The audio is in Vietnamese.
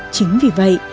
chính vì vậy